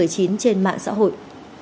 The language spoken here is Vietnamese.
trên mạng xã hội